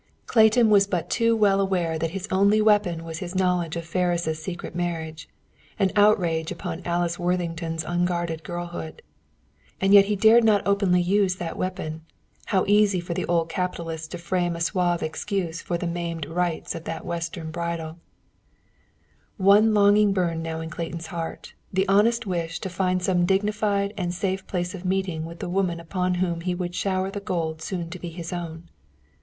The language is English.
Clayton was but too well aware that his only weapon was his knowledge of Ferris' secret marriage an outrage upon Alice Worthington's unguarded girlhood. And yet he dared not openly use that weapon; how easy for the old capitalist to frame a suave excuse for the "maimed rites" of that Western bridal. One longing burned now in Clayton's heart, the honest wish to find some dignified and safe place of meeting with the woman upon whom he would shower the gold soon to be his own.